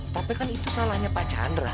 tapi kan itu salahnya pak chandra